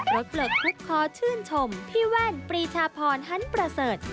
ลดพลุกคอชื่นชมพี่แวนปรีชาพรฮันต์ประเสริฐ